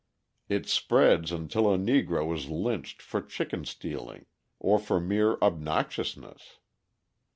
It spreads until a Negro is lynched for chicken stealing, or for mere "obnoxiousness."